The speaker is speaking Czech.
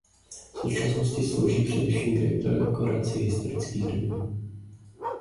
V současnosti slouží především k dekoraci historických domů.